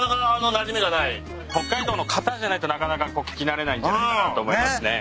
北海道の方じゃないとなかなか聞き慣れないんじゃないかなと思いますね。